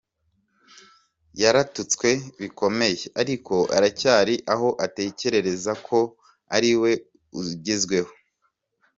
Yaratutswe bikomeye ariko aracyari aho atekereza ko ari we ugezweho.